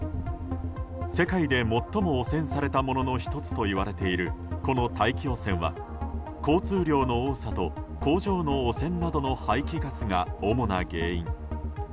世界で最も汚染されたものの１つといわれるこの大気汚染は、交通量の多さと工場の汚染などの排気ガスが主な原因。